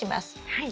はい。